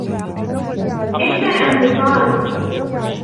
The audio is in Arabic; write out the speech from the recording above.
احْذَرْ أَنْ تُصَادَ